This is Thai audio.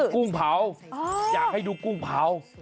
กุ้งเผาอยากให้ดูกุ้งเผา